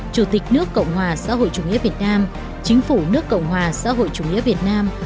chủ tịch nước cộng hòa xã hội chủ nghĩa việt nam chính phủ nước cộng hòa xã hội chủ nghĩa việt nam